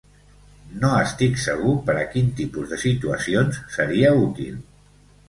No estic segur per a quin tipus de situacions seria útil.